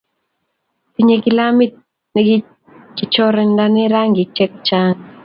tinyei kilamit ne kichorondoen rangik che chang'